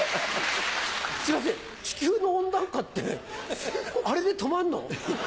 すいません地球の温暖化ってあれで止まんの？